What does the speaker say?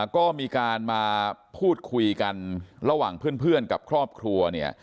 ก็มีการมาพูดคุยกันระหว่างเพื่อนกับครอบครัวเนี่ย